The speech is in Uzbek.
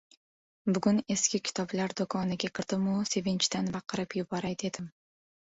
Bugun eski kitoblar doʻkoniga kirdim-u, sevinchdan baqirib yuboray dedim.